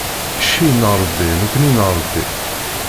Cci n Ṛebbi, nekni n Ṛebbi.